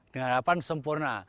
dengan harapan sempurna